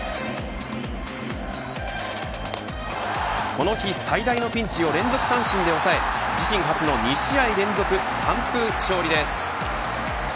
この日最大のピンチを連続三振で抑え自身初の２試合連続完封勝利です。